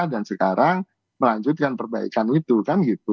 dan sekarang melanjutkan perbaikan itu kan gitu